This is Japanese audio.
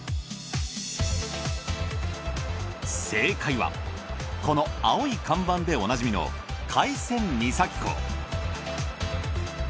正解はこの青い看板でおなじみの海鮮三崎港。